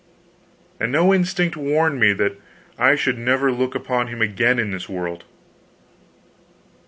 And no instinct warned me that I should never look upon him again in this world!